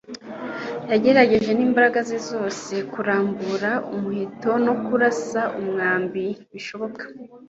Yagerageje nimbaraga ze zose kurambura umuheto no kurasa umwambi bishoboka